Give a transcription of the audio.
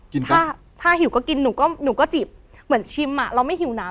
กินไปถ้าหิวก็กินหนูก็หนูก็จิบเหมือนชิมอ่ะเราไม่หิวน้ำ